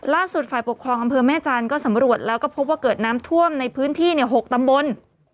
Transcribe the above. ฝ่ายปกครองอำเภอแม่จันทร์ก็สำรวจแล้วก็พบว่าเกิดน้ำท่วมในพื้นที่๖ตำบล